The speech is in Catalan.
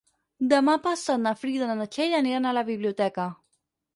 Demà passat na Frida i na Txell aniran a la biblioteca.